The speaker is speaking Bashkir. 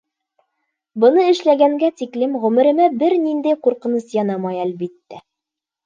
Быны эшләгәнгә тиклем ғүмеремә бер ниндәй ҡурҡыныс янамай, әлбиттә.